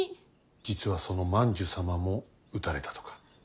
実はその万寿様も討たれたとか。